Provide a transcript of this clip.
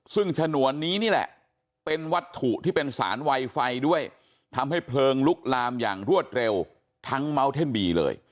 ซึ่งฉนวนนี้นี่แหละเป็นวัตถุที่เป็นสารไวไฟด้วยทำให้เพลิงลุกลามอย่างรวดเร็วทั้งเมาส์เท่นบีเลย